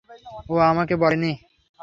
ও আমাকে বলেনি।